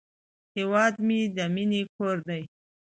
هیواد مې د مینې کور دی